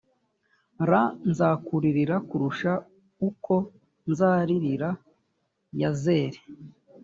r nzakuririra kurusha uko nzaririra yazeri